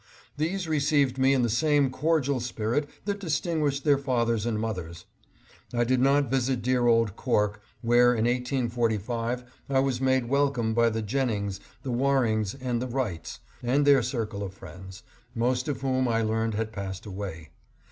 These received me in the same cordial spirit that distinguished their fathers and mothers. I did not visit dear old Cork, where in 1845 I was made welcome by the Jennings, the Warings, the Wrights, and their circle of friends, most of whom I learned had passed away.